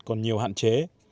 còn nhiều hạn chế